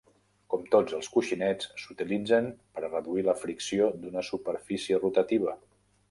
Com tots els coixinets, s'utilitzen per a reduir la fricció d'una superfície rotativa.